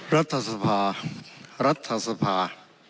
รัฐสภารัฐสภา